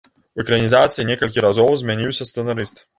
У экранізацыі некалькі разоў змяніўся сцэнарыст.